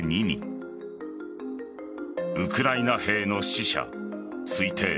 ウクライナ兵の死者推定